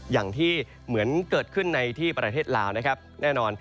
อย่างที่เหมือนเกิดขึ้นในที่ประเทศลาวนะครับแน่นอน